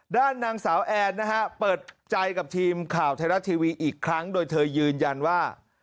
ด้านนางสาวแอนนะฮะเปิดใจกับทีมข่าวไทยรัฐทีวีอีกครั้งโดยเธอยืนยันว่า